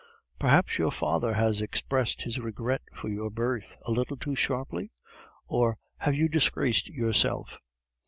"Perhaps your father has expressed his regret for your birth a little too sharply? Or have you disgraced yourself?"